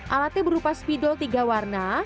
alatnya berupa spidol tiga warna